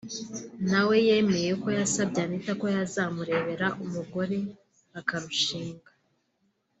nawe yemeye ko yasabye Anita ko yazamubera umugore bakarushinga